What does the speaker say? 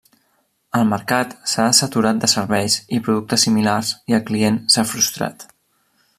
El mercat s'ha saturat de serveis i productes similars i el client s'ha frustrat.